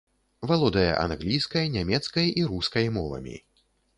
Валодае англійскай, нямецкай і рускай мовамі.